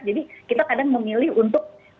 jadi kita kadang memilih untuk